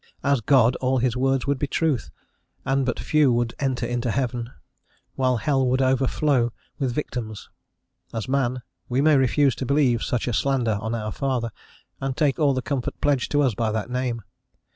As God, all his words would be truth, and but few would enter into heaven, while hell would overflow with victims: as man, we may refuse to believe such a slander on our Father, and take all the comfort pledged to us by that name.